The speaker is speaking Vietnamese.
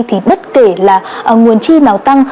thì bất kể là nguồn chi nào tăng